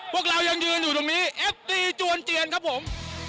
พวกเรายังยืนอยู่ตรงนี้เอฟตีจวนเจียนครับผม